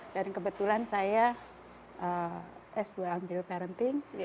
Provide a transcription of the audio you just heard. dan kebetulan saya s dua ambil parenting